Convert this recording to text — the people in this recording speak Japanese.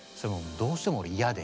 どうしても嫌で。